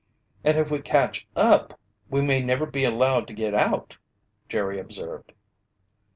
"And if we catch up, we may never be allowed to get out!" Jerry observed.